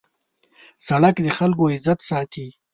سړک د خلکو عزت ساتي.